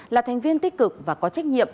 là thành viên tích cực và có trách nhiệm